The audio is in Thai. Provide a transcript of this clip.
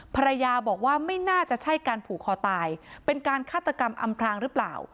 ภรรยาบอกว่าไม่น่าจะใช่การผูกคอตายเป็นการฆาตกรรมอำพรางหรือเปล่า